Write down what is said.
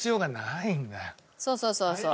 そうそうそうそう。